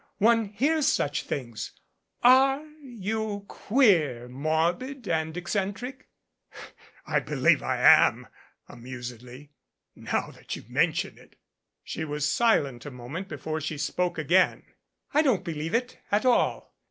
One hears such things. Are you queer, morbid and eccentric?" "I believe I am," amusedly, "now that you mention it." She was silent a moment before she spoke again. "I don't believe it at all.